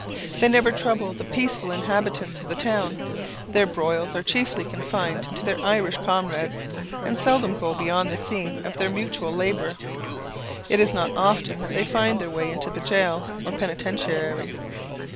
They never trouble the peaceful inhabitants of the town. Their broils are chiefly confined to their Irish comrades, and seldom go beyond the scene of their mutual labour. It is not often that they find their way into the jail or penitentiary.